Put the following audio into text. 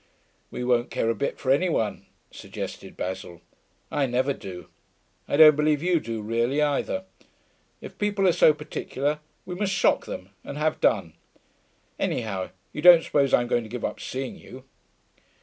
'We won't care a bit for any one,' suggested Basil. 'I never do. I don't believe you do really, either. If people are so particular, we must just shock them and have done. Anyhow, you don't suppose I'm going to give up seeing you.'